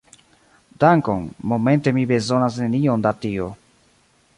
Dankon, momente mi bezonas nenion da tio.